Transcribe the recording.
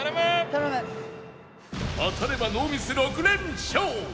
当たればノーミス６連勝！